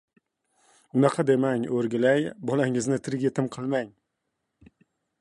— Unaqa demang, o‘rgilay, bolangizni tirik yetim qilmang.